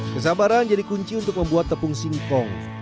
kesabaran jadi kunci untuk membuat tepung singkong